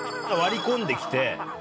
割り込んできて。